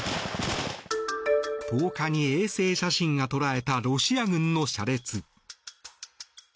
１０日に衛星写真が捉えたロシア軍の車列。